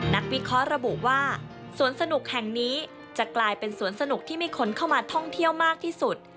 วิเคราะห์ระบุว่าสวนสนุกแห่งนี้จะกลายเป็นสวนสนุกที่มีคนเข้ามาท่องเที่ยวมากที่สุด